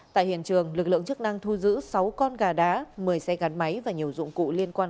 tại hiện trường lực lượng chức năng thu giữ sáu con gà đá một mươi xe gắn máy và nhiều dụng cụ liên quan